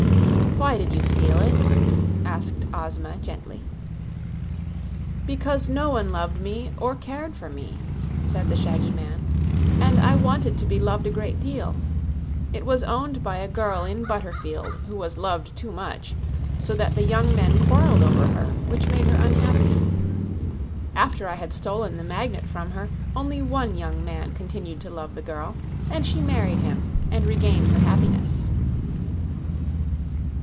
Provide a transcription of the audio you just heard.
"Why did you steal it?" asked Ozma, gently. "Because no one loved me, or cared for me," said the shaggy man, "and I wanted to be loved a great deal. It was owned by a girl in Butterfield who was loved too much, so that the young men quarreled over her, which made her unhappy. After I had stolen the Magnet from her, only one young man continued to love the girl, and she married him and regained her happiness."